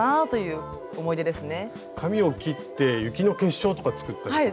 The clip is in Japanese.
紙を切って雪の結晶とか作ったりとか。